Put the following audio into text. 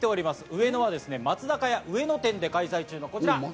上野は松坂屋上野店で開催中のこちら！